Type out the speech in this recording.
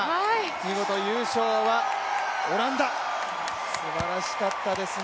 見事優勝はオランダ、すばらしかったですね。